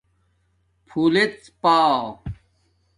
پھولڎپݳ